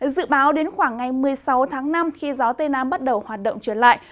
dự báo đến khoảng ngày một mươi sáu tháng năm khi gió tây nam bắt đầu hoạt động trở lại